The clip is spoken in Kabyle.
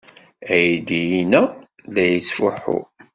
Aydi-inna la yettfuḥu!